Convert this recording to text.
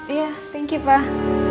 iya thank you pak